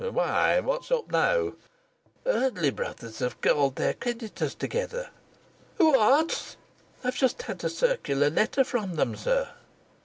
"Why, what's up now?" "Eardley Brothers have called their creditors together." "What?" "I've just had a circular letter from them, sir."